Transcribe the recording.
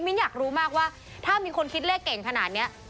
อยากรู้มากว่าถ้ามีคนคิดเลขเก่งขนาดนี้